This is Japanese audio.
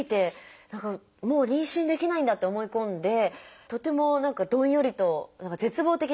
何かもう妊娠できないんだって思い込んでとっても何かどんよりと何か絶望的に帰った記憶があるんですけども。